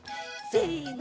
せの！